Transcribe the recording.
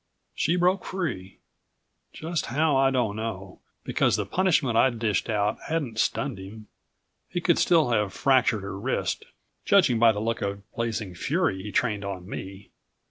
She broke free. Just how I don't know, because the punishment I'd dished out hadn't stunned him. He could still have fractured her wrist, judging by the look of blazing fury he trained on me.